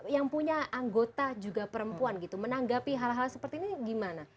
yang punya anggota juga perempuan gitu menanggapi hal hal seperti ini gimana